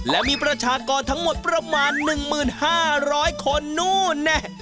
และมีประชากรทั้งหมดประมาณ๑๕๐๐คนนู้นแน่